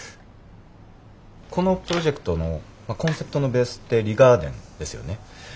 このプロジェクトのコンセプトのベースってリガーデンですよね。